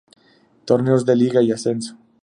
Torneos de Liga y Ascenso